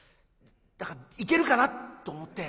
だからいけるかなと思って。